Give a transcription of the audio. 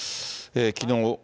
きのう